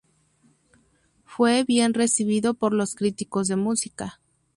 Fue bien recibido por los críticos de música.